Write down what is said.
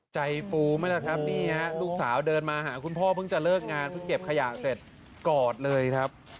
ฟูไหมล่ะครับนี่ฮะลูกสาวเดินมาหาคุณพ่อเพิ่งจะเลิกงานเพิ่งเก็บขยะเสร็จกอดเลยครับ